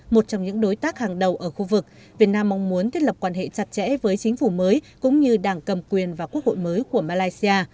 một trong những đối tác hàng đầu ở khu vực việt nam mong muốn thiết lập quan hệ chặt chẽ với chính phủ mới cũng như đảng cầm quyền và quốc hội mới của malaysia